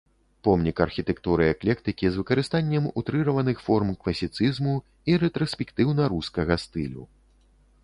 Помнік архітэктуры эклектыкі з выкарыстаннем утрыраваных форм класіцызму і рэтраспектыўна-рускага стылю.